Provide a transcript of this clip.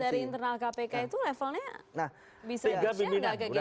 enam belas dari internal kpk itu levelnya bisa berusia nggak ke kita